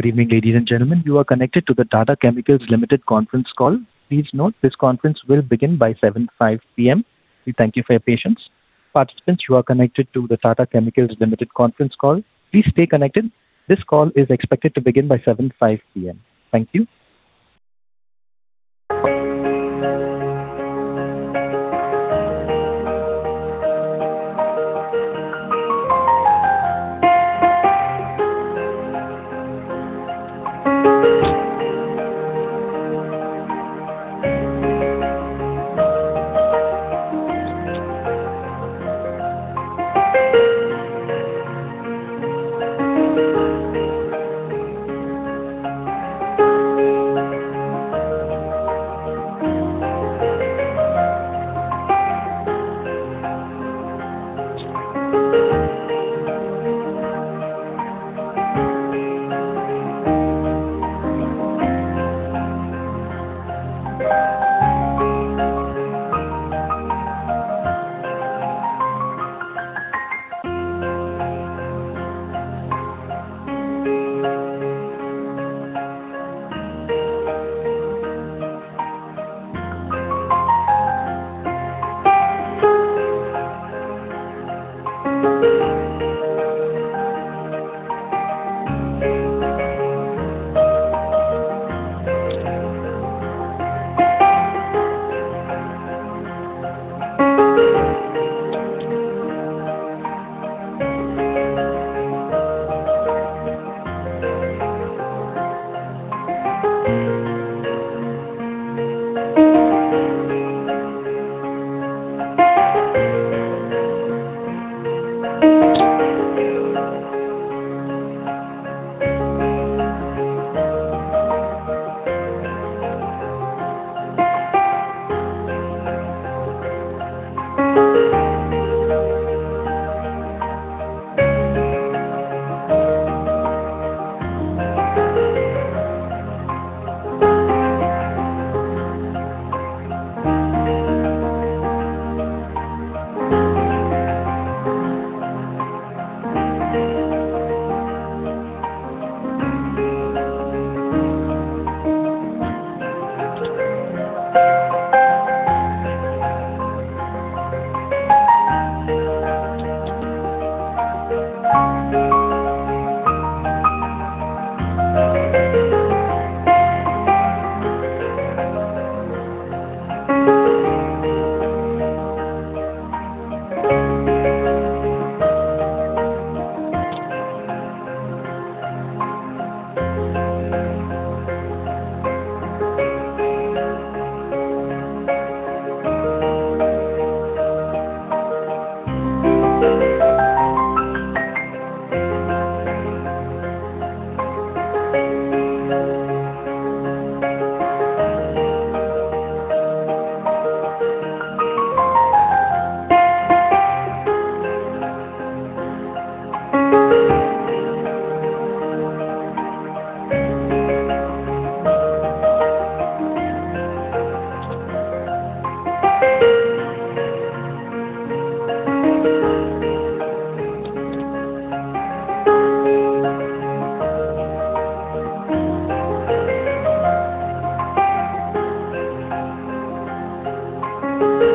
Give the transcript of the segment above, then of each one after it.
Good evening, ladies and gentlemen. You are connected to the Tata Chemicals Limited Conference Call. Please note, this conference will begin by 7:05 PM. We thank you for your patience. Participants, you are connected to the Tata Chemicals Limited Conference Call. Please stay connected. This call is expected to begin by 7:05 PM. Thank you.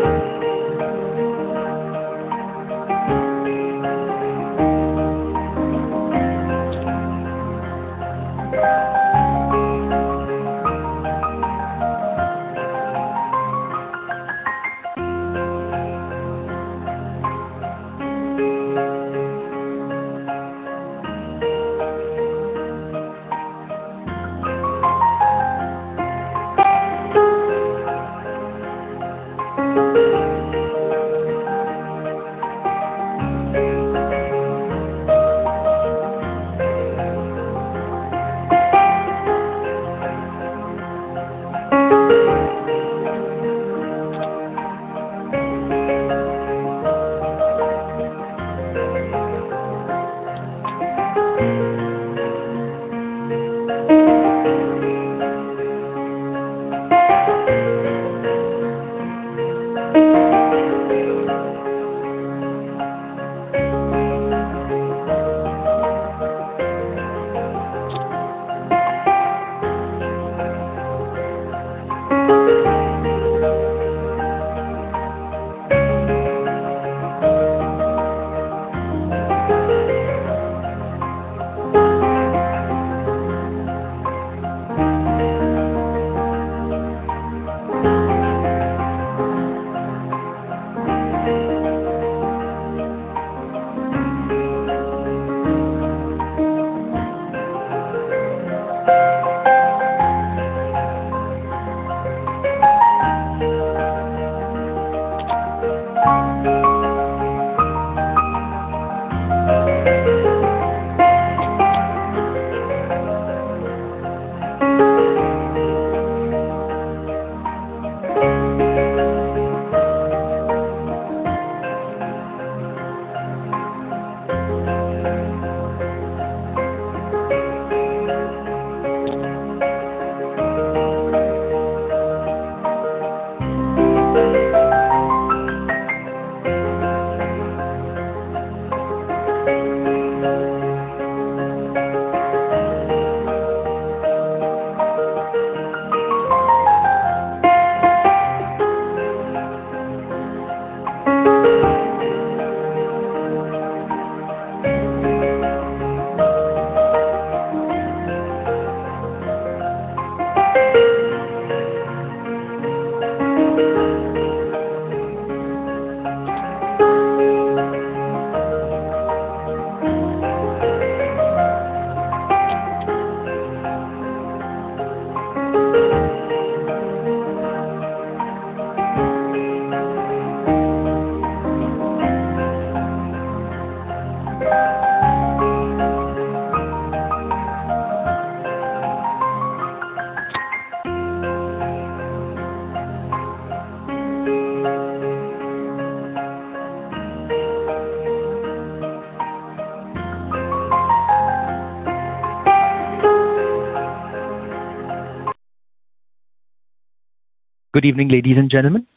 Good evening, ladies and gentlemen,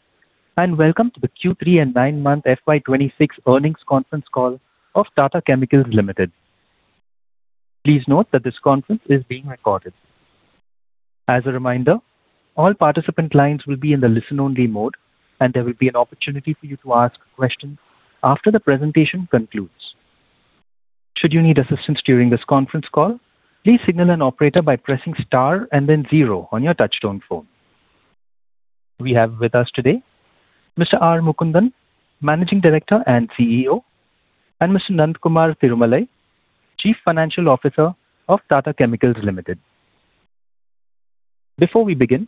and welcome to the Q3 and 9-month FY26 Earnings Conference Call of Tata Chemicals Limited. Please note that this conference is being recorded. As a reminder, all participant lines will be in the listen-only mode, and there will be an opportunity for you to ask questions after the presentation concludes. Should you need assistance during this conference call, please signal an operator by pressing star and then zero on your touchtone phone. We have with us today Mr. R. Mukundan, Managing Director and CEO, and Mr. Nandakumar Tirumalai, Chief Financial Officer of Tata Chemicals Limited. Before we begin,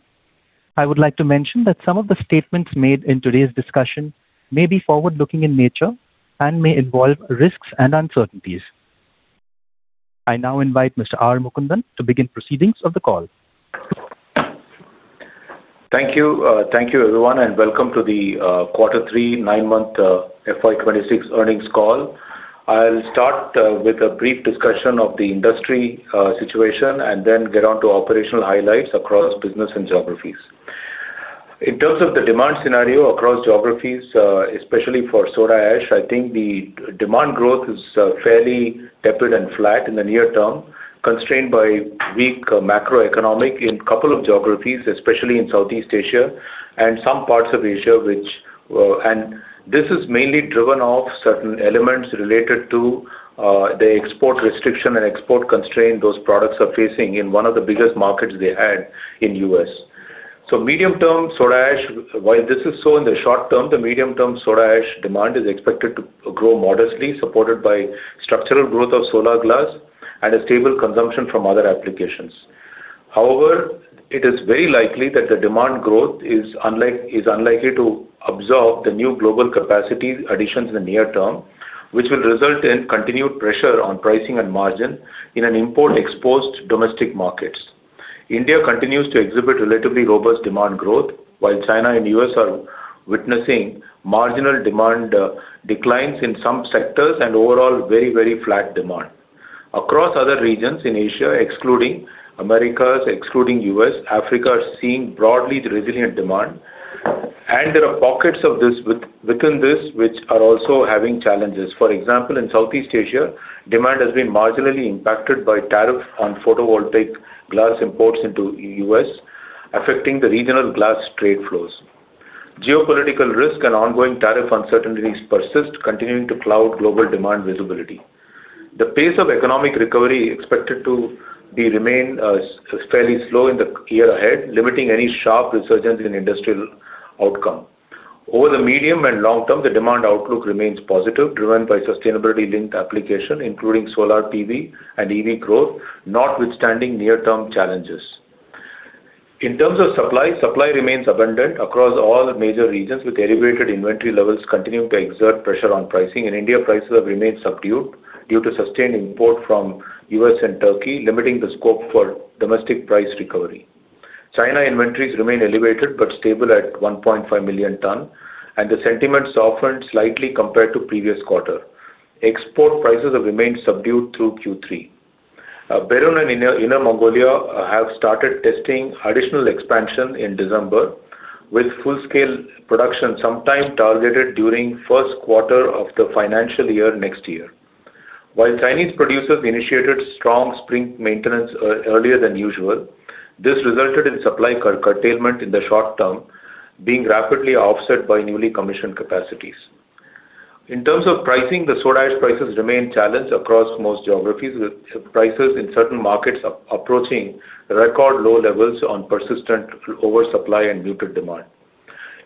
I would like to mention that some of the statements made in today's discussion may be forward-looking in nature and may involve risks and uncertainties. I now invite Mr. R. Mukundan to begin proceedings of the call. Thank you. Thank you, everyone, and welcome to the Quarter 3, 9-month FY26 earnings call. I'll start with a brief discussion of the industry situation and then get on to operational highlights across business and geographies. In terms of the demand scenario across geographies, especially for soda ash, I think the demand growth is fairly tepid and flat in the near term, constrained by weak macroeconomics in a couple of geographies, especially in Southeast Asia and some parts of Asia, which is mainly driven by certain elements related to the export restriction and export constraints those products are facing in one of the biggest markets they had in the U.S. In the short term, the medium-term soda ash demand is expected to grow modestly, supported by structural growth of solar glass and stable consumption from other applications. However, it is very likely that the demand growth is unlikely to absorb the new global capacity additions in the near term, which will result in continued pressure on pricing and margin in import-exposed domestic markets. India continues to exhibit relatively robust demand growth, while China and the US are witnessing marginal demand declines in some sectors and overall very flat demand. Across other regions in Asia, excluding America, excluding the US, Africa are seeing broadly resilient demand, and there are pockets within this which are also having challenges. For example, in Southeast Asia, demand has been marginally impacted by tariffs on photovoltaic glass imports into the US, affecting the regional glass trade flows. Geopolitical risk and ongoing tariff uncertainties persist, continuing to cloud global demand visibility. The pace of economic recovery is expected to remain fairly slow in the year ahead, limiting any sharp resurgence in industrial outcomes. Over the medium and long term, the demand outlook remains positive, driven by sustainability-linked applications, including solar PV and EV growth, notwithstanding near-term challenges. In terms of supply, supply remains abundant across all major regions, with elevated inventory levels continuing to exert pressure on pricing. In India, prices have remained subdued due to sustained imports from the US and Turkey, limiting the scope for domestic price recovery. China inventories remain elevated but stable at 1.5 million tons, and the sentiment softened slightly compared to the previous quarter. Export prices have remained subdued through Q3. Berun and Inner Mongolia have started testing additional expansion in December, with full-scale production sometime targeted during the Q1 of the financial year next year. While Chinese producers initiated strong spring maintenance earlier than usual, this resulted in supply curtailment in the short term, being rapidly offset by newly commissioned capacities. In terms of pricing, the soda ash prices remain challenged across most geographies, with prices in certain markets approaching record low levels on persistent oversupply and muted demand.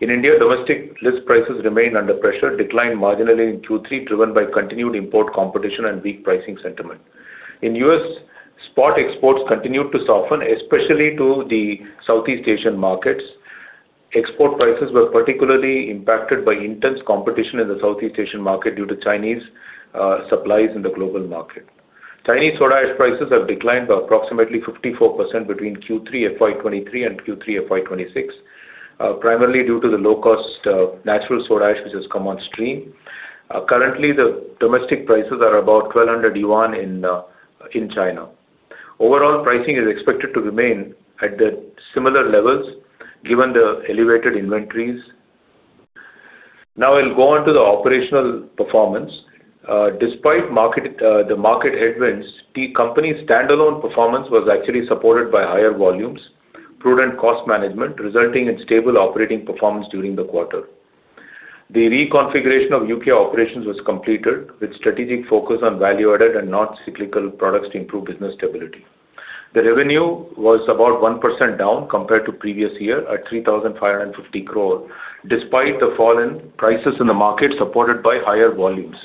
In India, domestic list prices remain under pressure, declined marginally in Q3, driven by continued import competition and weak pricing sentiment. In the US, spot exports continued to soften, especially to the Southeast Asian markets. Export prices were particularly impacted by intense competition in the Southeast Asian market due to Chinese supplies in the global market. Chinese soda ash prices have declined by approximately 54% between Q3 FY23 and Q3 FY26, primarily due to the low-cost natural soda ash, which has come on stream. Currently, the domestic prices are about ¥1,200 in China. Overall, pricing is expected to remain at similar levels given the elevated inventories. Now, I'll go on to the operational performance. Despite the market advance, the company's standalone performance was actually supported by higher volumes, prudent cost management, resulting in stable operating performance during the quarter. The reconfiguration of UK operations was completed, with strategic focus on value-added and non-cyclical products to improve business stability. The revenue was about 1% down compared to the previous year at 3,550 crore, despite the fall in prices in the market supported by higher volumes.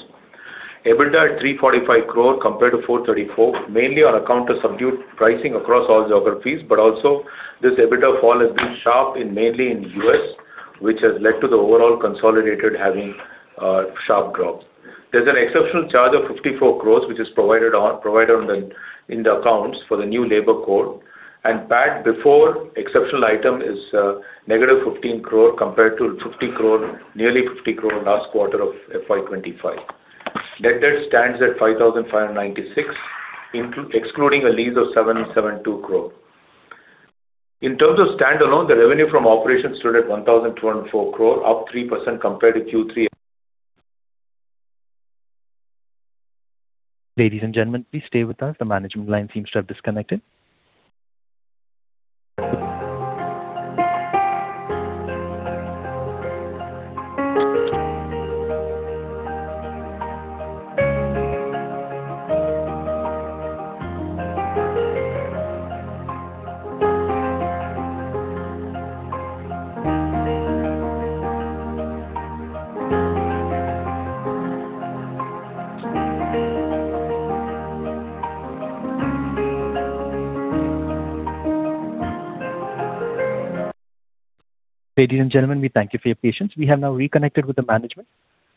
EBITDA at 345 crore compared to 434 crore, mainly on account of subdued pricing across all geographies, but also this EBITDA fall has been sharp mainly in the US, which has led to the overall consolidator having sharp drops. There's an exceptional charge of 54 crore, which is provided in the accounts for the new labor code, and PAT before the exceptional item is negative 15 crore compared to nearly 50 crore last quarter of FY25. Net debt stands at 5,596 crore, excluding a lease of 772 crore. In terms of standalone, the revenue from operations stood at 1,204 crore, up 3% compared to Q3. Ladies and gentlemen, please stay with us. The management line seems to have disconnected. Ladies and gentlemen, we thank you for your patience. We have now reconnected with the management.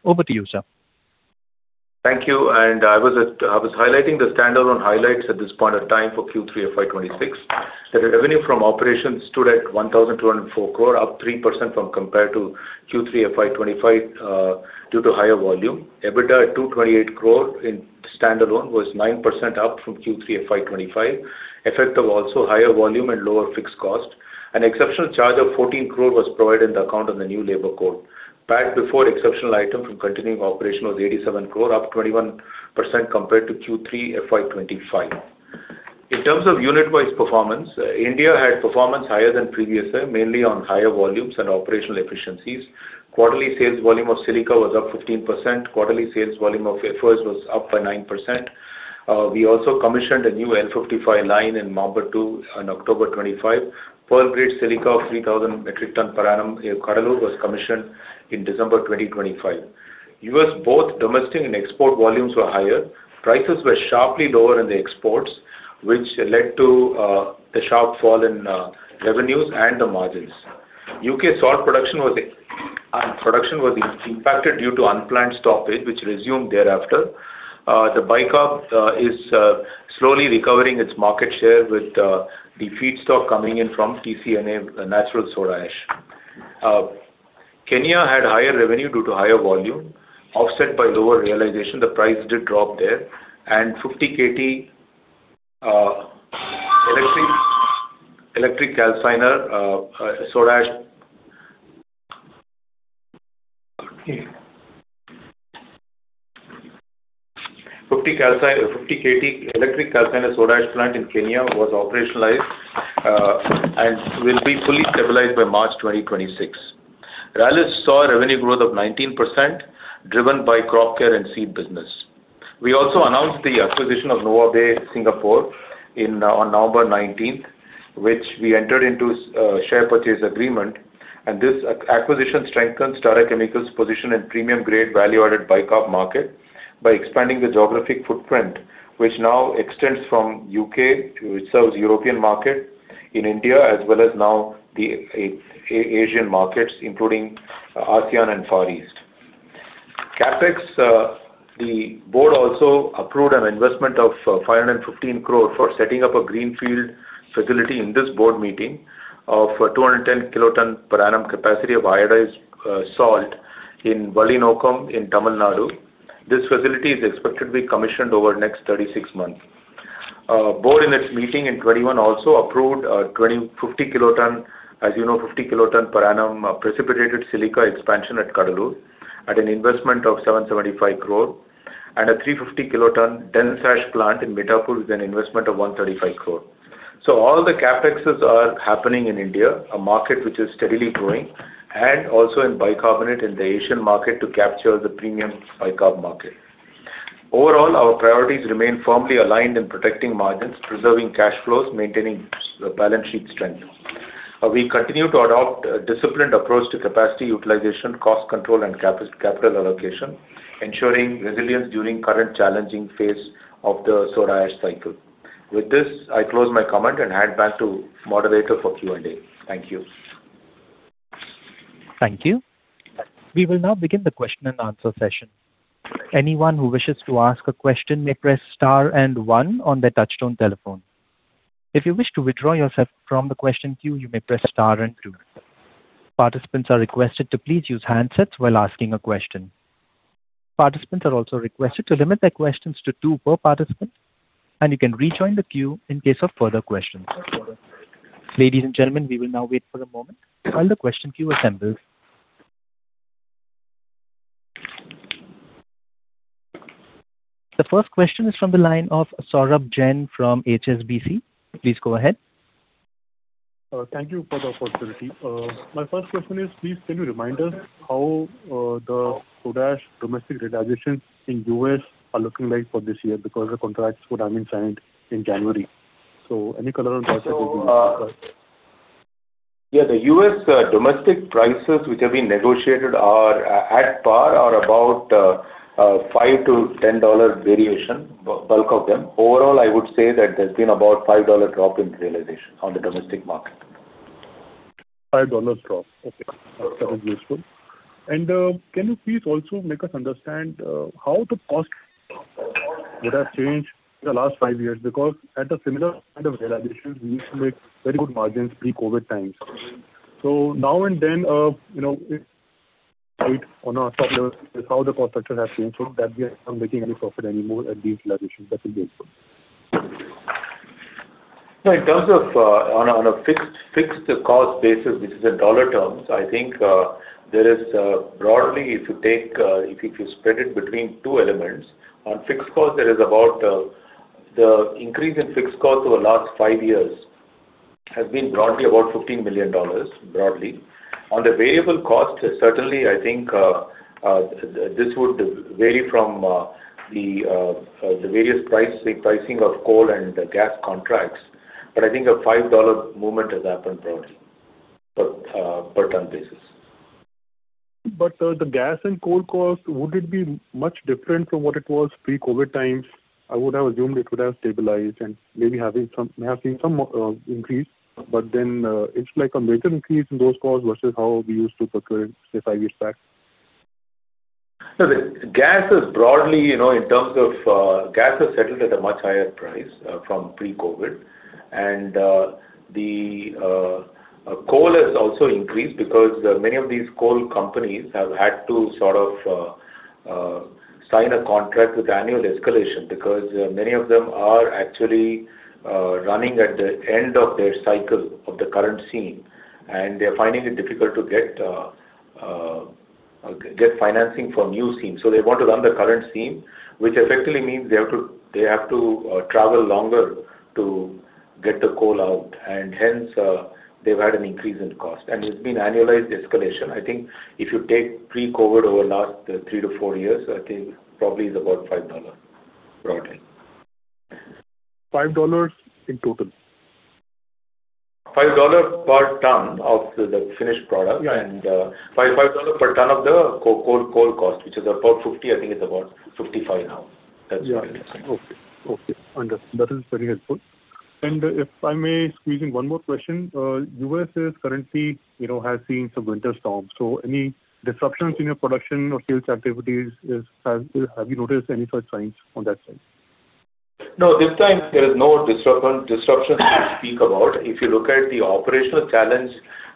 Over to you, sir. Thank you. I was highlighting the standalone highlights at this point in time for Q3 FY26. The revenue from operations stood at 1,204 crore, up 3% compared to Q3 FY25 due to higher volume. EBITDA at 228 crore in standalone was 9% up from Q3 FY25, effective also higher volume and lower fixed costs. An exceptional charge of 14 crore was provided in the account on the new labor code. Profit before the exceptional item from continuing operations was 87 crore, up 21% compared to Q3 FY25. In terms of unit-wise performance, India had performance higher than previously, mainly on higher volumes and operational efficiencies. Quarterly sales volume of silica was up 15%. Quarterly sales volume of FOS was up by 9%. We also commissioned a new L55 line in Mambattu on October 25. Pearl grade silica of 3,000 metric tons per annum in Cuddalore was commissioned in December 2025. US, both domestic and export volumes were higher. Prices were sharply lower in the exports, which led to the sharp fall in revenues and the margins. UK salt production was impacted due to unplanned stoppage, which resumed thereafter. The bicarb is slowly recovering its market share with the feedstock coming in from TCNA natural soda ash. Kenya had higher revenue due to higher volume. Offset by lower realization, the price did drop there. The 50KT Electric Calciner soda ash plant in Kenya was operationalized and will be fully stabilized by March 2026. Rallis saw revenue growth of 19% driven by crop care and seed business. We also announced the acquisition of Nova Bay Singapore on November 19th, which we entered into a share purchase agreement. This acquisition strengthens Tata Chemicals' position in premium-grade value-added bicarb market by expanding the geographic footprint, which now extends from the UK, which serves the European market, India, as well as now the Asian markets, including ASEAN and Far East. CAPEX, the board also approved an investment of 515 crore for setting up a greenfield facility in this board meeting of a 210 kiloton per annum capacity of iodized salt in Valinokkam in Tamil Nadu. This facility is expected to be commissioned over the next 36 months. The board, in its meeting in 2021, also approved a 50 kiloton per annum precipitated silica expansion at Katalu at an investment of 775 crore and a 350 kiloton dense ash plant in Mithapur with an investment of 135 crore. All the CAPEXs are happening in India, a market which is steadily growing, and also in bicarbonate in the Asian market to capture the premium bicarb market. Overall, our priorities remain firmly aligned in protecting margins, preserving cash flows, maintaining the balance sheet strength. We continue to adopt a disciplined approach to capacity utilization, cost control, and capital allocation, ensuring resilience during the current challenging phase of the soda ash cycle. With this, I close my comment and hand back to the moderator for Q&A. Thank you. Thank you. We will now begin the Q&A session. Anyone who wishes to ask a question may press star and one on their touchstone telephone. If you wish to withdraw yourself from the question queue, you may press star and two. Participants are requested to please use handsets while asking a question. Participants are also requested to limit their questions to two per participant, and you can rejoin the queue in case of further questions. Ladies and gentlemen, we will now wait for a moment while the question queue assembles. The first question is from the line of Saurabh Jain from HSBC. Please go ahead. Thank you for the opportunity. My first question is, please can you remind us how the soda ash domestic realizations in the U.S. are looking like for this year because the contracts would have been signed in January? So any color on that? The US domestic prices, which have been negotiated, are at par or about $5 to $10 variation, bulk of them. Overall, I would say that there's been about a $5 drop in realizations on the domestic market. $5 drop. Okay. That is useful. Can you please also make us understand how the costs would have changed in the last five years? Because at the similar realizations, we used to make very good margins pre-COVID times. So now and then, on a top level, how has the cost structure changed so that we are not making any profit anymore at these realizations? That is useful. In terms of on a fixed-cost basis, which is in dollar terms, I think there is broadly, if you spread it between two elements, on fixed costs, there is about the increase in fixed costs over the last five years has been broadly about $15 million, broadly. On the variable costs, certainly, I think this would vary from the various pricing of coal and gas contracts. But I think a $5 movement has happened broadly per-ton basis. But the gas and coal costs, would it be much different from what it was pre-COVID times? I would have assumed it would have stabilized and maybe have seen some increase. But then it's like a major increase in those costs versus how we used to procure, say, five years back. No. Gas has broadly, in terms of gas, settled at a much higher price from pre-COVID. The coal has also increased because many of these coal companies have had to sign a contract with annual escalation because many of them are actually running at the end of their cycle of the current seam, and they're finding it difficult to get financing for new seams. So they want to run the current seam, which effectively means they have to travel longer to get the coal out. Hence, they've had an increase in cost. It's been annualized escalation. I think if you take pre-COVID over the last three to four years, I think probably it's about $5, broadly. $5 in total. $5 per ton of the finished product and $5 per ton of the coal cost, which is about $50, I think it's about $55 now. That's what I understand. Okay. Understood. That is very helpful. If I may squeeze in one more question, the US currently has seen some winter storms. So any disruptions in your production or sales activities? Have you noticed any such signs on that side? No. This time, there is no disruption to speak about. If you look at the operational challenge,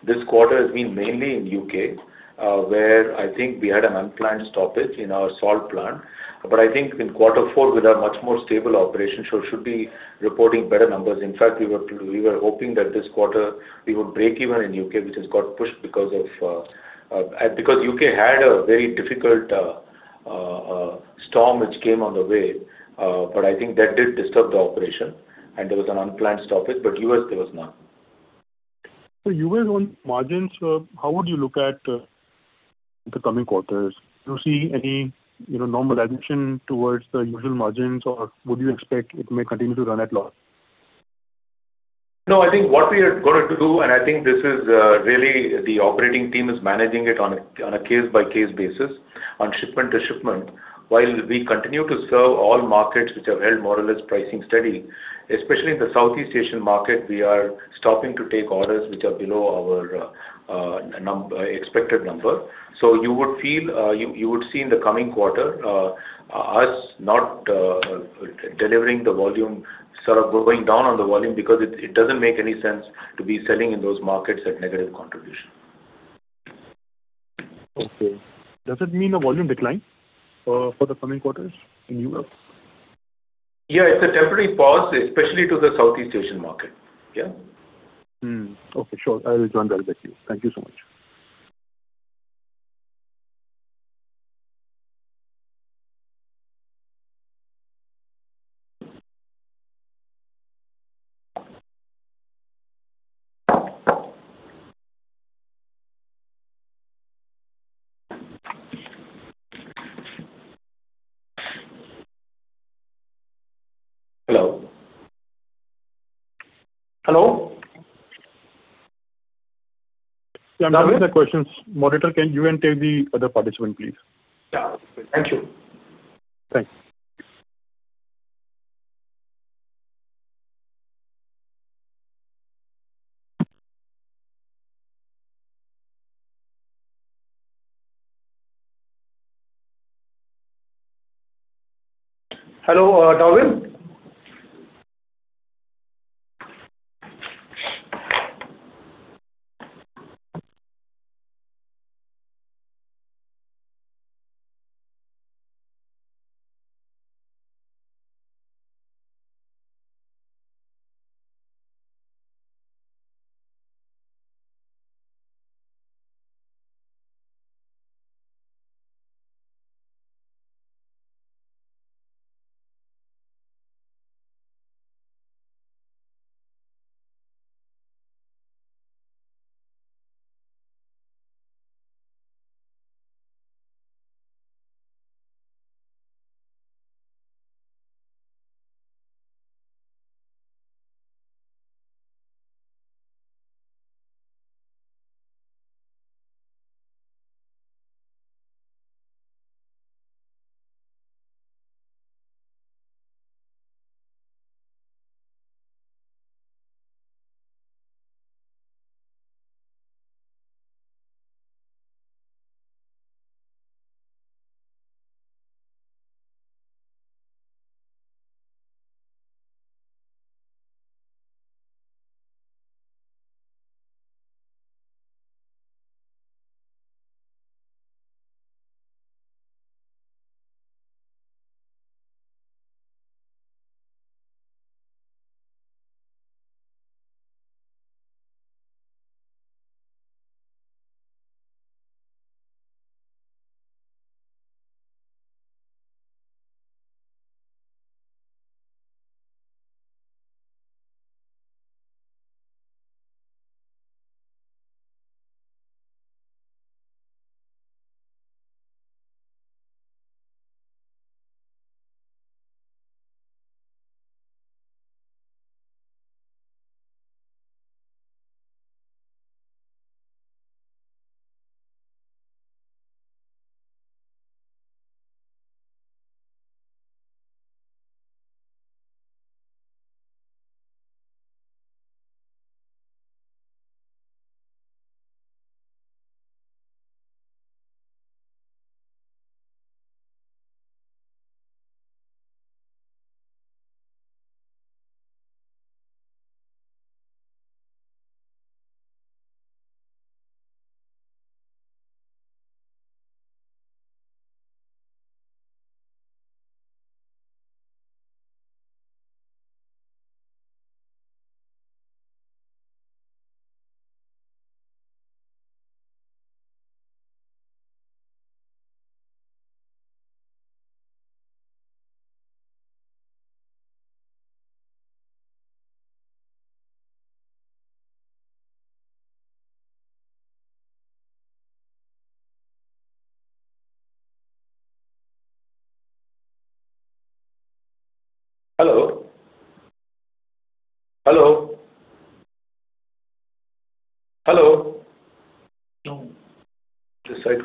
this quarter has been mainly in the UK, where I think we had an unplanned stoppage in our salt plant. But I think in quarter four, we'll have much more stable operations, so we should be reporting better numbers. In fact, we were hoping that this quarter, we would break even in the UK, which has got pushed because the UK had a very difficult storm which came on the way. But I think that did disturb the operation, and there was an unplanned stoppage. But the US, there was none. The US margins, how would you look at the coming quarters? Do you see any normalization towards the usual margins, or would you expect it may continue to run at loss? No. I think what we are going to do, and I think this is really the operating team is managing it on a case-by-case basis, on shipment to shipment, while we continue to serve all markets which have held more or less pricing steady, especially in the Southeast Asian market. We are stopping to take orders which are below our expected number. So you would see in the coming quarter us not delivering the volume, going down on the volume because it doesn't make any sense to be selling in those markets at negative contribution. Does it mean a volume decline for the coming quarters in Europe? It's a temporary pause, especially to the Southeast Asian market. Sure. I will join that with you. Thank you so much. Hello? Hello? I'm answering the questions. Moderator, can you take the other participant, please? Thank you.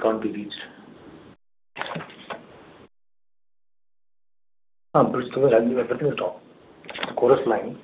Thanks. Hello, Darwin?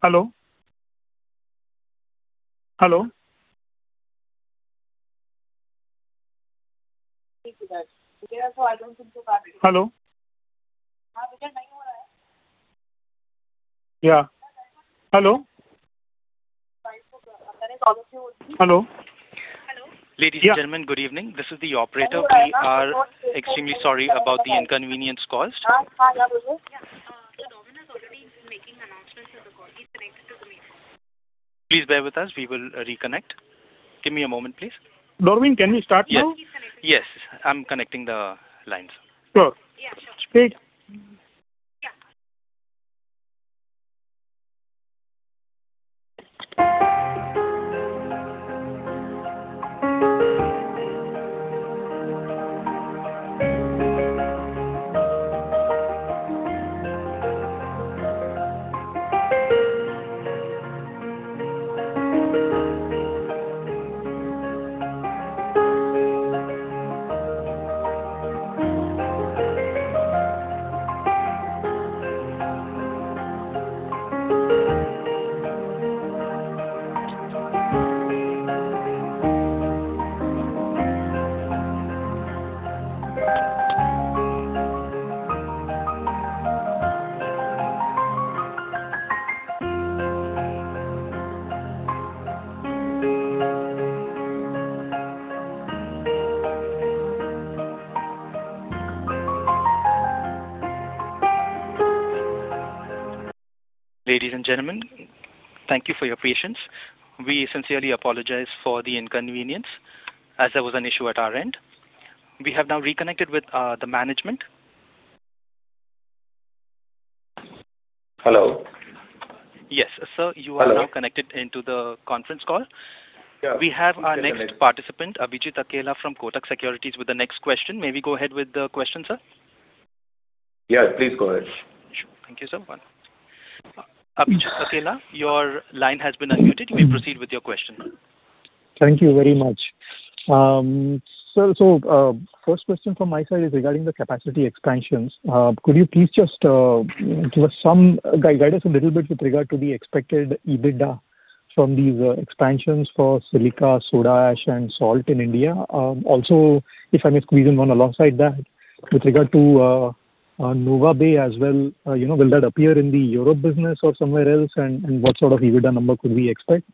Hello. Hello? Hello? No. This site can't be reached. Principal, everything is off. It's the chorus line. Close the flight. Ladies and gentlemen, thank you for your patience. We sincerely apologize for the inconvenience, as there was an issue at our end. We have now reconnected with the management. Yes, sir, you are now connected into the conference call. We have our next participant, Abhijit Akela, from Kotak Securities, with the next question. May we go ahead with the question, sir? Yes, please go ahead. Sure. Thank you, sir. One moment. Abhijit Akela, your line has been unmuted. You may proceed with your question. Thank you very much, sir. So, first question from my side is regarding the capacity expansions. Could you please just give us some guidance with regard to the expected EBITDA from these expansions for silica, soda ash, and salt in India? Also, if I may squeeze in one alongside that, with regard to Nova Bay as well, you know, will that appear in the Europe business or somewhere else, and what EBITDA number could we expect?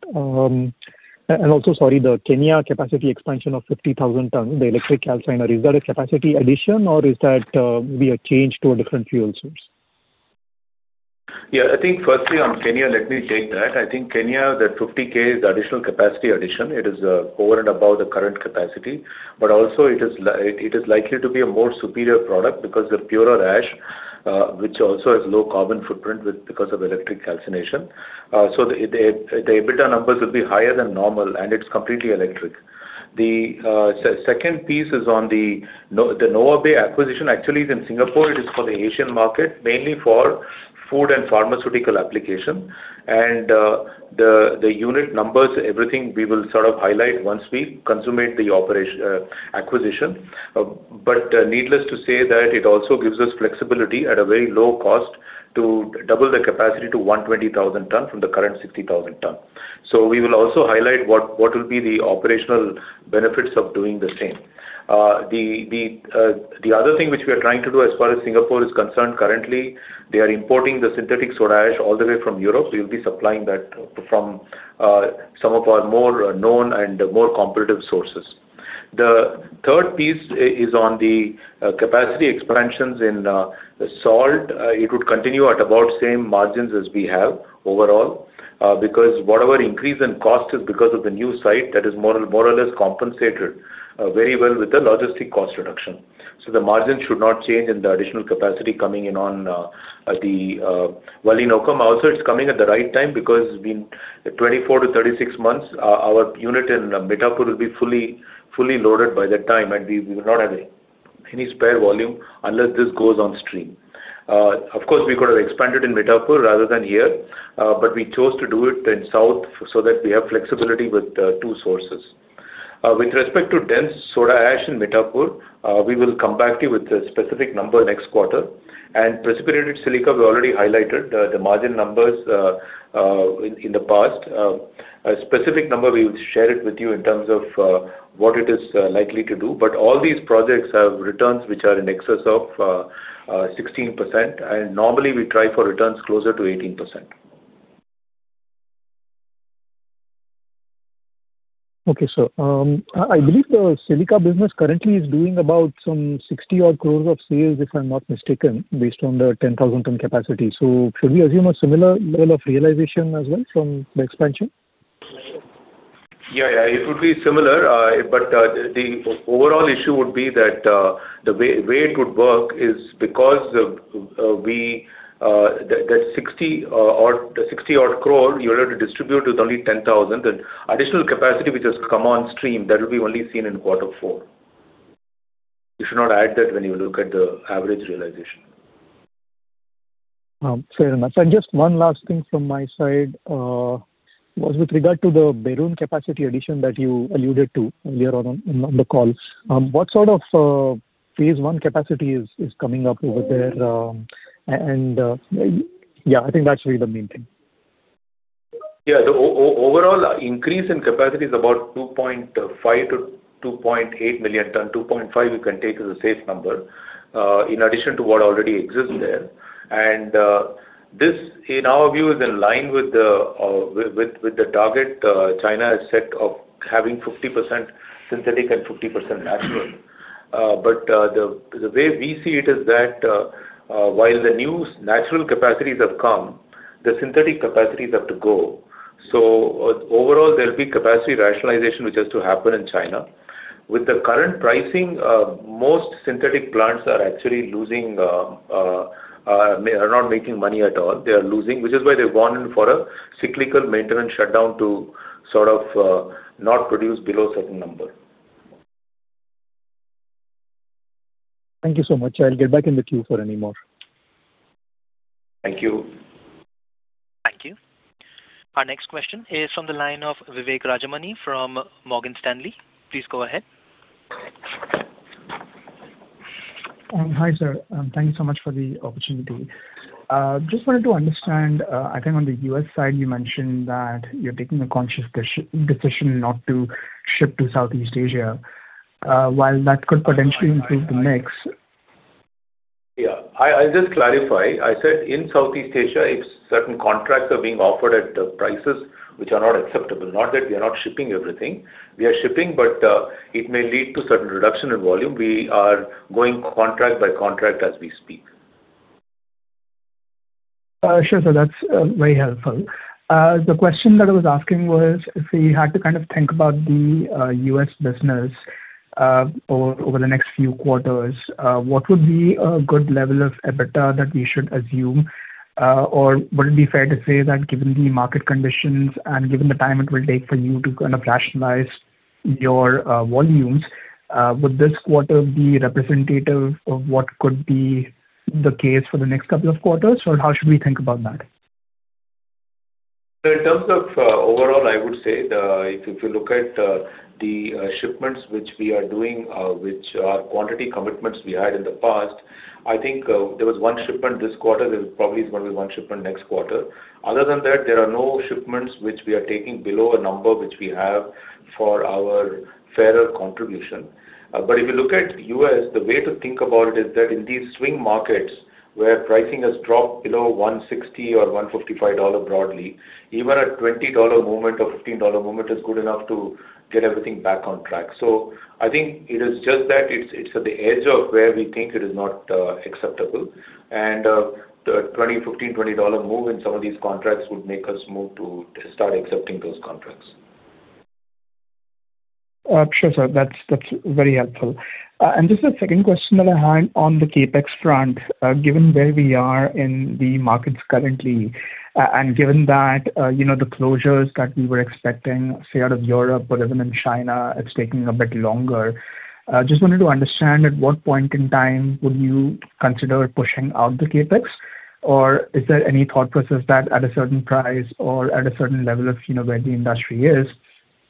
And also, sorry, the Kenya capacity expansion of 50,000 tons, the electric calcinary, is that a capacity addition, or is that maybe a change to a different fuel source? I think firstly, on Kenya, let me take that. I think Kenya, the 50K is additional capacity addition. It is over and above the current capacity. But also, it is likely to be a more superior product because the purer ash, which also has low carbon footprint because of electric calcination. So the EBITDA numbers will be higher than normal, and it's completely electric. The second piece is on the Nova Bay acquisition. Actually, in Singapore, it is for the Asian market, mainly for food and pharmaceutical application. And the unit numbers, everything, we will highlight once we consummate the operation acquisition. But, needless to say that it also gives us flexibility at a very low cost to double the capacity to 120,000 tons from the current 60,000 tons. So we will also highlight what will be the operational benefits of doing the same. The other thing which we are trying to do as far as Singapore is concerned currently, they are importing the synthetic soda ash all the way from Europe. We will be supplying that from some of our more known and more competitive sources. The third piece is on the capacity expansions in salt. It would continue at about same margins as we have overall, because whatever increase in cost is because of the new site, that is more or less compensated very well with the logistic cost reduction. So the margins should not change in the additional capacity coming in on the Valinokkam. Also, it's coming at the right time because we in 24 to 36 months, our unit in Mithapur will be fully loaded by that time, and we will not have any spare volume unless this goes on stream. Of course, we could have expanded in Mithapur rather than here, but we chose to do it in South so that we have flexibility with two sources. With respect to dense soda ash in Mithapur, we will come back to you with a specific number next quarter. Precipitated silica, we already highlighted the margin numbers in the past. A specific number, we will share it with you in terms of what it is likely to do. But all these projects have returns which are in excess of 16%. Normally, we try for returns closer to 18%. Okay, sir, I believe the silica business currently is doing about some 60 crores of sales, if I'm not mistaken, based on the 10,000-ton capacity. So should we assume a similar level of realization as well from the expansion? It would be similar. The overall issue would be that the way it would work is because that 60-odd crore, you're able to distribute with only 10,000. The additional capacity which has come on stream, that will be only seen in quarter four. You should not add that when you look at the average realization. Fair enough. Just one last thing from my side, was with regard to the Berun capacity addition that you alluded to earlier on the call. What phase one capacity is coming up over there? I think that's really the main thing. The overall increase in capacity is about 2.5 to 2.8 million tons. 2.5, we can take as a safe number, in addition to what already exists there. This, in our view, is in line with the target China has set of having 50% synthetic and 50% natural. But the way we see it is that while the new natural capacities have come, the synthetic capacities have to go. So overall, there'll be capacity rationalization which has to happen in China. With the current pricing, most synthetic plants are actually losing, are not making money at all. They are losing, which is why they've gone in for a cyclical maintenance shutdown to not produce below a certain number. Thank you so much. I'll get back in the queue for any more. Thank you. Thank you. Our next question is from the line of Vivek Rajamani from Morgan Stanley. Please go ahead. Hi, sir. Thank you so much for the opportunity. Just wanted to understand, I think on the US side, you mentioned that you're taking a conscious decision not to ship to Southeast Asia, while that could potentially improve the mix. I'll just clarify. I said in Southeast Asia, if certain contracts are being offered at prices which are not acceptable, not that we are not shipping everything. We are shipping, but it may lead to certain reduction in volume. We are going contract by contract as we speak. Sure, sir. That's very helpful. The question that I was asking was if we had to think about the US business over the next few quarters, what would be a good level of EBITDA that we should assume? Or would it be fair to say that given the market conditions and given the time it will take for you to rationalize your volumes, would this quarter be representative of what could be the case for the next couple of quarters? Or how should we think about that? In terms of overall, I would say if you look at the shipments which we are doing, which are quantity commitments we had in the past, I think there was one shipment this quarter. There probably is going to be one shipment next quarter. Other than that, there are no shipments which we are taking below a number which we have for our fairer contribution. But if you look at US, the way to think about it is that in these swing markets where pricing has dropped below $160 or $155 broadly, even a $20 movement or $15 movement is good enough to get everything back on track. I think it is just that it's at the edge of where we think it is not acceptable. The $20, $15, $20 move in some of these contracts would make us move to start accepting those contracts. Sure, sir. That's very helpful. Just the second question that I had on the CapEx front, given where we are in the markets currently, and given that the closures that we were expecting, say, out of Europe or even in China, it's taking a bit longer, just wanted to understand at what point in time would you consider pushing out the CapEx? Or is there any thought process that at a certain price or at a certain level of where the industry is,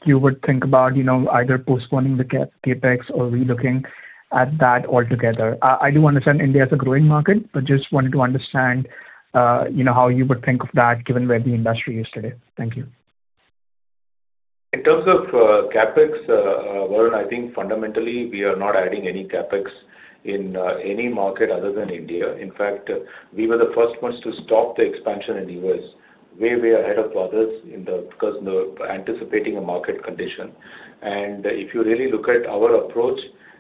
you would think about either postponing the CapEx or relooking at that altogether? I do understand India is a growing market, but just wanted to understand how you would think of that given where the industry is today. Thank you. In terms of CapEx, Vivek, I think fundamentally, we are not adding any CapEx in any market other than India. In fact, we were the first ones to stop the expansion in the US, way ahead of others because we were anticipating a market condition. If you really look at our approach,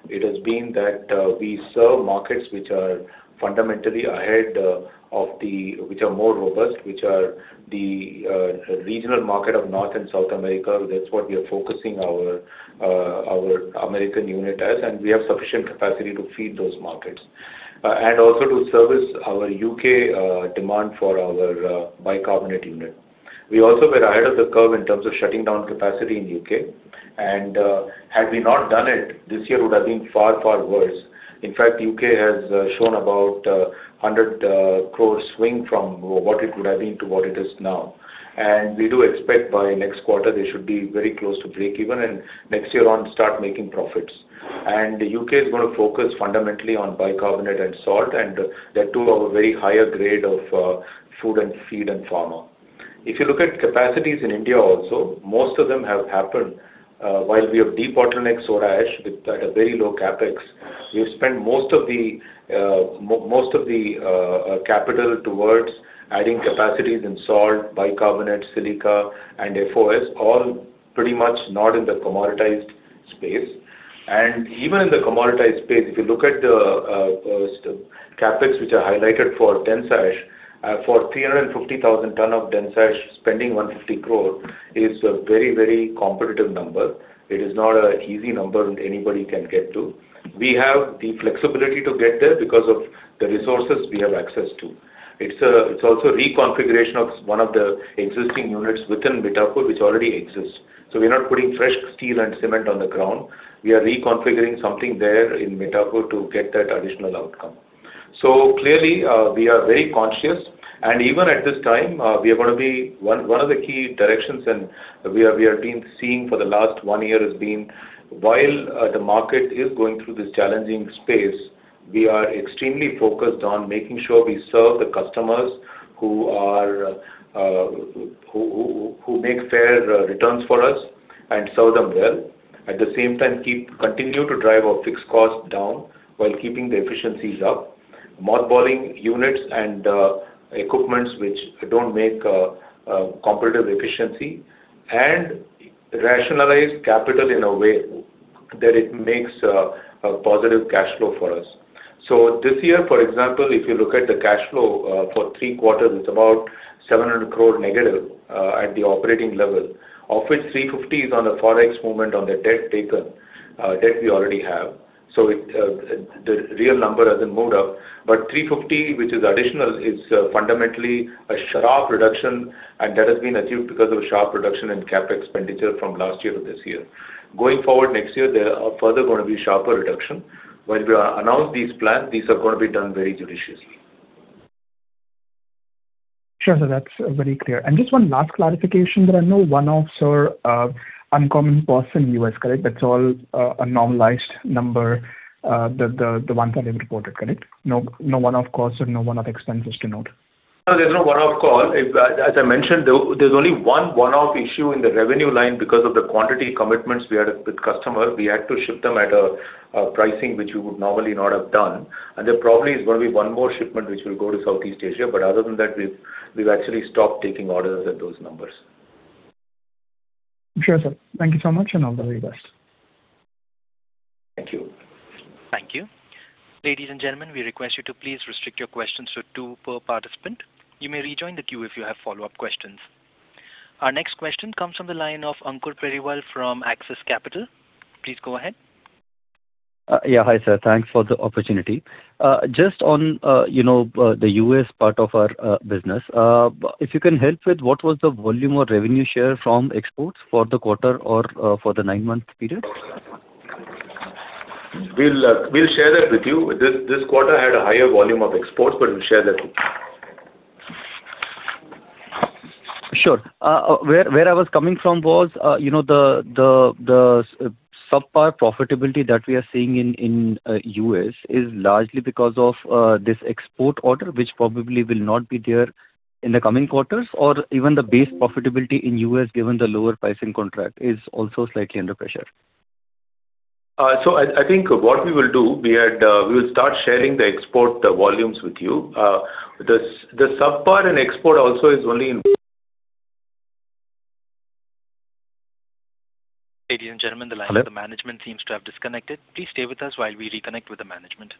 it has been that we serve markets which are fundamentally more robust, which are the regional market of North and South America. That's what we are focusing our American unit as. We have sufficient capacity to feed those markets, and also to service our UK demand for our bicarbonate unit. We also were ahead of the curve in terms of shutting down capacity in UK. Had we not done it this year, it would have been far worse. In fact, the UK has shown about 100 crores swing from what it would have been to what it is now. We do expect by next quarter, they should be very close to break-even and next year on, start making profits. The UK is going to focus fundamentally on bicarbonate and salt, and they're to our very higher grade of food and feed and pharma. If you look at capacities in India also, most of them have happened, while we have deep bottleneck soda ash with at a very low CapEx, we've spent most of the capital towards adding capacities in salt, bicarbonate, silica, and FOS, all pretty much not in the commoditized space. Even in the commoditized space, if you look at the CapEx which are highlighted for dense ash, for 350,000 tons of dense ash, spending 150 crore is a very, very competitive number. It is not an easy number that anybody can get to. We have the flexibility to get there because of the resources we have access to. It's also reconfiguration of one of the existing units within Mithapur which already exists. We're not putting fresh steel and cement on the ground. We are reconfiguring something there in Mithapur to get that additional outcome. Clearly, we are very conscious. Even at this time, we are going to be one of the key directions and we have been seeing for the last one year has been, while the market is going through this challenging space, we are extremely focused on making sure we serve the customers who make fair returns for us and serve them well, at the same time keep continue to drive our fixed cost down while keeping the efficiencies up, mothballing units and equipments which don't make competitive efficiency, and rationalize capital in a way that it makes a positive cash flow for us. So this year, for example, if you look at the cash flow for three quarters, it's about 700 crore negative at the operating level, of which 350 crore is on the forex movement on the debt taken, debt we already have. The real number hasn't moved up. But 350, which is additional, is fundamentally a sharp reduction, and that has been achieved because of a sharp reduction in CapEx expenditure from last year to this year. Going forward next year, there are further going to be sharper reductions. When we announce these plans, these are going to be done very judiciously. Sure, sir. That's very clear. Just one last clarification. There are no one-offs, sir, uncommon costs in the US, correct? That's all a normalized number, the ones that have reported, correct? No one-off costs or no one-off expenses to note? No, there's no one-off call. If, as I mentioned, there's only one one-off issue in the revenue line because of the quantity commitments we had with customers. We had to ship them at a pricing which we would normally not have done. There probably is going to be one more shipment which will go to Southeast Asia. But other than that, we've actually stopped taking orders at those numbers. Sure, sir. Thank you so much, and all the very best. Thank you. Thank you. Ladies and gentlemen, we request you to please restrict your questions to two per participant. You may rejoin the queue if you have follow-up questions. Our next question comes from the line of Ankur Periwal from Axis Capital. Please go ahead. Hi, sir. Thanks for the opportunity. Just on, you know, the U.S. part of our business, if you can help with what was the volume or revenue share from exports for the quarter or for the nine-month period? Well, we'll share that with you. This quarter had a higher volume of exports, but we'll share that with you. Sure. Where I was coming from was, you know, the subpar profitability that we are seeing in US is largely because of this export order which probably will not be there in the coming quarters. Or even the base profitability in US given the lower pricing contract is also slightly under pressure. So I think what we will do, we will start sharing the export volumes with you. The subpar in export also is only in. Ladies and gentlemen, the line of the management seems to have disconnected. Please stay with us while we reconnect with the management.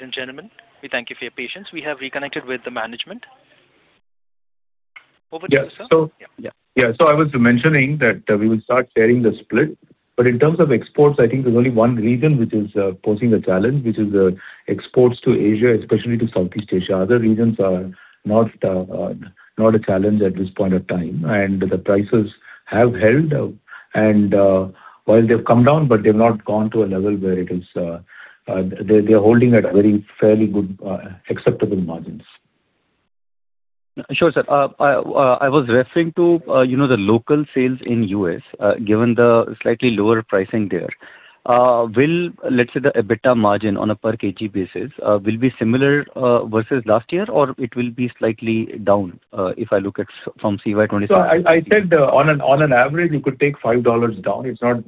Ladies and gentlemen, we thank you for your patience. We have reconnected with the management. Over to you, sir. I was mentioning that we will start sharing the split. But in terms of exports, I think there's only one region which is posing a challenge, which is exports to Asia, especially to Southeast Asia. Other regions are not a challenge at this point of time. And the prices have held, and while they've come down, but they've not gone to a level where they're holding at a very fairly good, acceptable margins. Sure, sir. I was referring to, you know, the local sales in US, given the slightly lower pricing there. Will, let's say, the EBITDA margin on a per-kg basis will be similar versus last year? Or it will be slightly down if I look at it from CY27? I said, on average, you could take $5 down. It's not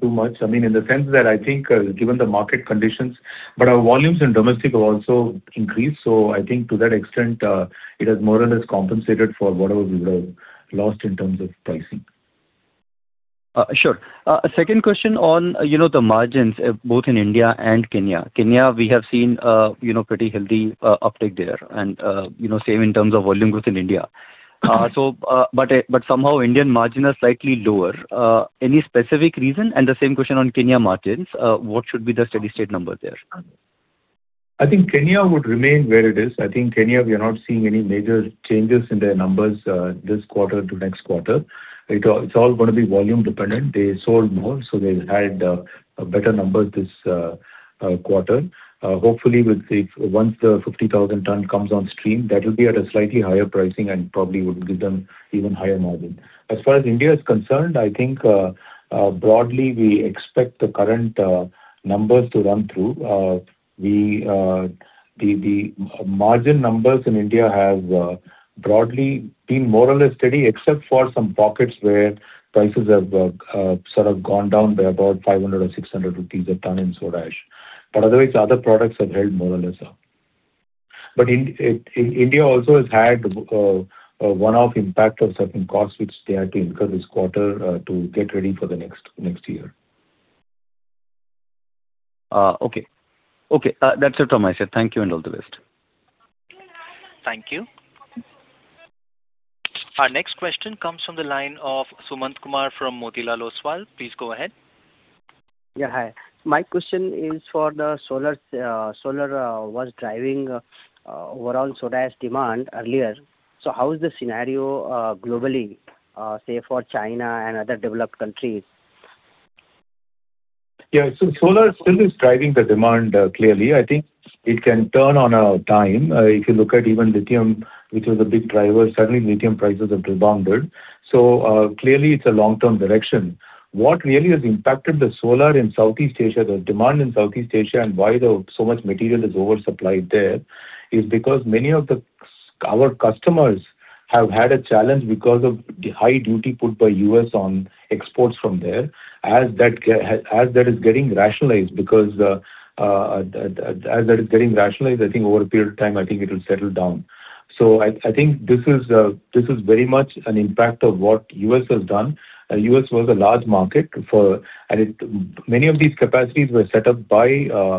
too much. I mean, in the sense that I think, given the market conditions. But our volumes in domestic have also increased. I think to that extent, it has more or less compensated for whatever we would have lost in terms of pricing. Sure. A second question on, you know, the margins, both in India and Kenya. Kenya, we have seen, you know, pretty healthy uptick there. And, you know, same in terms of volume growth in India. But somehow, Indian margins are slightly lower. Any specific reason? And the same question on Kenya margins. What should be the steady-state number there? I think Kenya would remain where it is. I think Kenya, we are not seeing any major changes in their numbers, this quarter to next quarter. It's all going to be volume-dependent. They sold more, so they've had a better number this quarter. Hopefully, once the 50,000 ton comes on stream, that will be at a slightly higher pricing and probably would give them even higher margin. As far as India is concerned, I think, broadly, we expect the current numbers to run through. The margin numbers in India have broadly been more or less steady, except for some pockets where prices have gone down by about 500 or 600 rupees a ton in soda ash. But otherwise, other products have held more or less up. But India also has had one-off impact of certain costs which they had to incur this quarter, to get ready for the next year. Okay. Okay, that's it from my side. Thank you and all the best. Thank you. Our next question comes from the line of Sumant Kumar from Motilal Oswal. Please go ahead. My question is for the solar. Solar was driving overall soda ash demand earlier. So how is the scenario globally, say, for China and other developed countries? Solar still is driving the demand, clearly. I think it can turn on a dime. If you look at even lithium, which was a big driver, suddenly, lithium prices have rebounded. Clearly, it's a long-term direction. What really has impacted the solar in Southeast Asia, the demand in Southeast Asia, and why so much material is oversupplied there is because many of our customers have had a challenge because of the high duty put by US on exports from there. As that is getting rationalized, I think over a period of time, I think it will settle down. I think this is very much an impact of what US has done. The US was a large market for and many of these capacities were set up by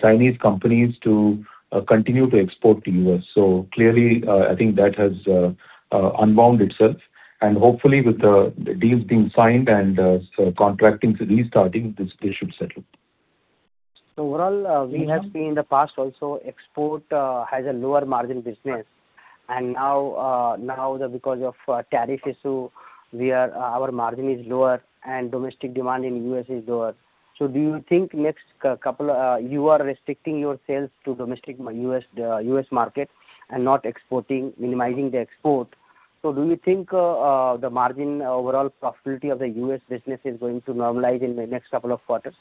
Chinese companies to continue to export to the US. So clearly, I think that has unwound itself. And hopefully, with the deals being signed and contracts restarting, this should settle. Overall, we have seen in the past also, export has a lower margin business. And now, because of tariff issue, we are our margin is lower, and domestic demand in US is lower. So do you think next couple of you are restricting your sales to domestic US market and not exporting, minimizing the export? So do you think, the margin, overall profitability of the US business is going to normalize in the next couple of quarters?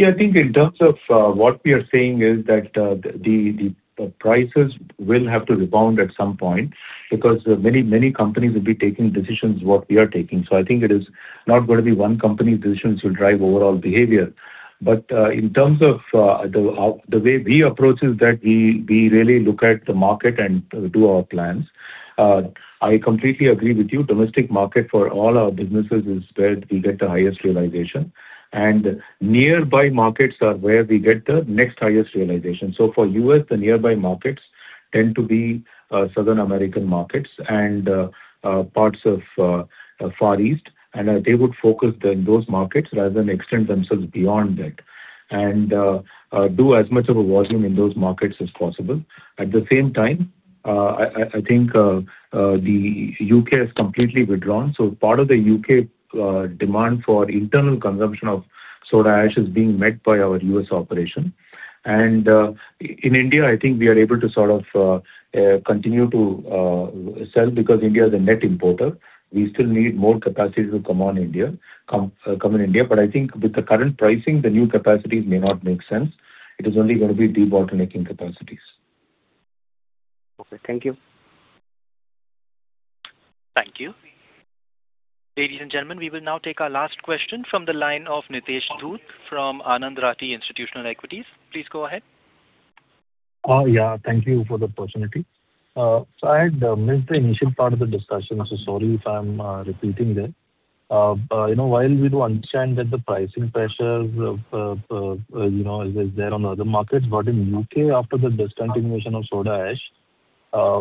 I think in terms of what we are seeing is that the prices will have to rebound at some point because many companies will be taking decisions what we are taking. So I think it is not going to be one company's decisions will drive overall behavior. But in terms of the way we approach is that we really look at the market and do our plans. I completely agree with you. Domestic market for all our businesses is where we get the highest realization. And nearby markets are where we get the next highest realization. So for us, the nearby markets tend to be Southern American markets and parts of Far East. And they would focus in those markets rather than extend themselves beyond that and do as much of a volume in those markets as possible. At the same time, I think the UK has completely withdrawn. So part of the UK demand for internal consumption of soda ash is being met by our US operation. And in India, I think we are able to continue to sell because India is a net importer. We still need more capacity to come in India. But I think with the current pricing, the new capacities may not make sense. It is only going to be de-bottlenecking capacities. Okay. Thank you. Thank you. Ladies and gentlemen, we will now take our last question from the line of Nitesh Dhoot from Anand Rathi Institutional Equities. Please go ahead. Thank you for the opportunity. I had missed the initial part of the discussion, so sorry if I'm repeating there. While we do understand that the pricing pressure is there on the other markets, but in UK, after the discontinuation of soda ash,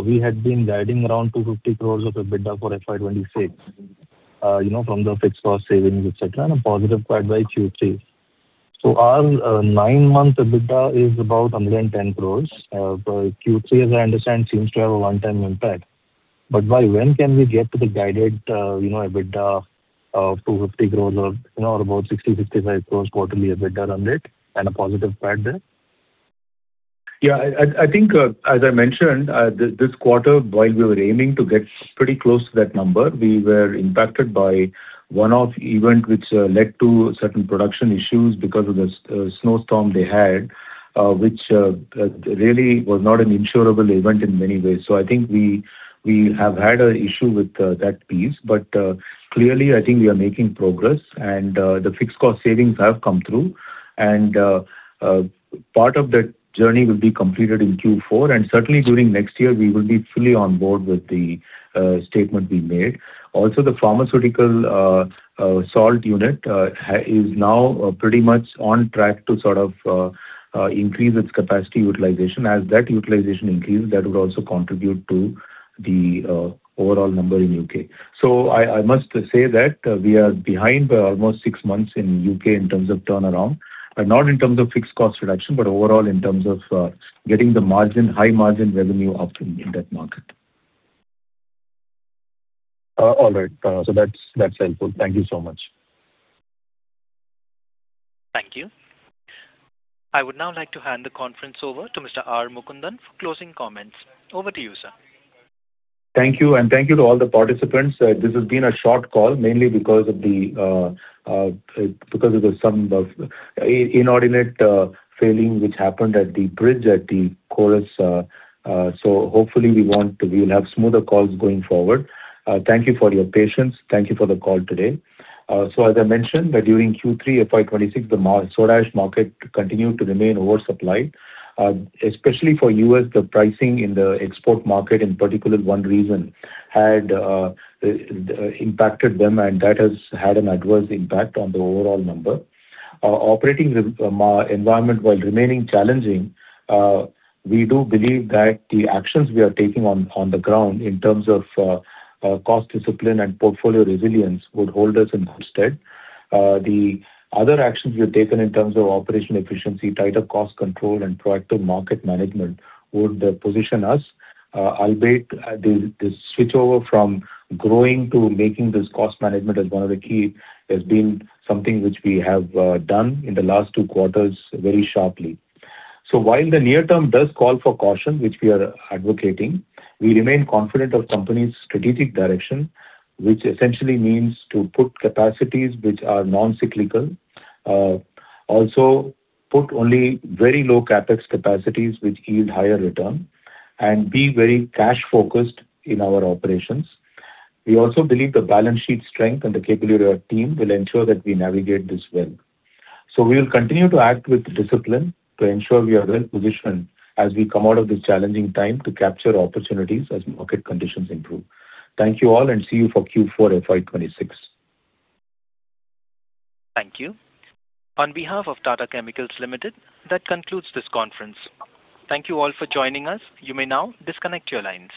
we had been guiding around 250 crores of EBITDA for FY26 from the fixed cost savings, etc., and a positive quarter by Q3. Our nine-month EBITDA is about 110 crores, but Q3, as I understand, seems to have a one-time impact. But by when can we get to the guided EBITDA of 250 crores or about 60, 65 crores quarterly EBITDA run rate and a positive quarter there? I think, as I mentioned, this quarter, while we were aiming to get pretty close to that number, we were impacted by one-off event which led to certain production issues because of the snowstorm they had, which really was not an insurable event in many ways. I think we have had an issue with that piece. But clearly, I think we are making progress. The fixed cost savings have come through. Part of that journey will be completed in Q4. Certainly, during next year, we will be fully on board with the statement we made. Also, the pharmaceutical salt unit is now pretty much on track to increase its capacity utilization. As that utilization increases, that would also contribute to the overall number in UK. I must say that we are behind by almost six months in UK in terms of turnaround, not in terms of fixed cost reduction, but overall in terms of getting the margin, high-margin revenue up in that market. All right. That's helpful. Thank you so much. Thank you. I would now like to hand the conference over to Mr. R. Mukundan for closing comments. Over to you, sir. Thank you. Thank you to all the participants. This has been a short call mainly because of the inordinate failing which happened at the bridge at the chorus. Hopefully, we'll have smoother calls going forward. Thank you for your patience. Thank you for the call today. As I mentioned, during Q3 FY26, the soda ash market continued to remain oversupplied, especially for US. The pricing in the export market, in particular, had impacted them. That has had an adverse impact on the overall number. Operating environment while remaining challenging, we do believe that the actions we are taking on the ground in terms of cost discipline and portfolio resilience would hold us in good stead. The other actions we have taken in terms of operational efficiency, tighter cost control, and proactive market management would position us. Albeit this switchover from growing to making this cost management as one of the key has been something which we have done in the last two quarters very sharply. So while the near term does call for caution, which we are advocating, we remain confident of companies' strategic direction, which essentially means to put capacities which are non-cyclical, also put only very low-capex capacities which yield higher return, and be very cash-focused in our operations. We also believe the balance sheet strength and the capability of our team will ensure that we navigate this well. So we will continue to act with discipline to ensure we are well-positioned as we come out of this challenging time to capture opportunities as market conditions improve. Thank you all. And see you for Q4, FY26. Thank you. On behalf of Tata Chemicals Limited, that concludes this conference. Thank you all for joining us. You may now disconnect your lines.